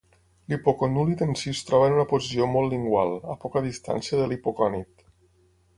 L'hipoconúlid en si es troba en una posició molt lingual, a poca distància de l'hipocònid.